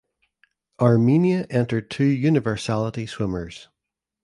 Armenia entered two universality swimmers.